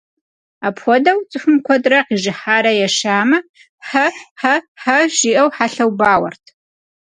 Апхуэдэу, цӀыхум куэдрэ къижыхьарэ ешамэ «хьэ-хьэ-хьэ» жиӀэу хьэлъэу бауэрт.